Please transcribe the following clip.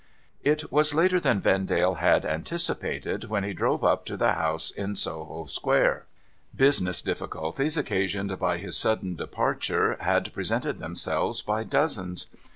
It was later than Vendale had anticipated when he drove up to the house in Soho Square. Business difificulties, occasioned by his sudden departure, had presented themselves by dozens.